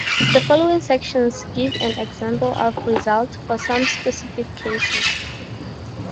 The following sections give an example of results for some specific cases.